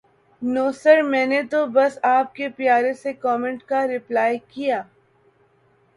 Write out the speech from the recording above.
نو sir میں نے تو بس آپ کے پیارے سے کومینٹ کا رپلائے کیا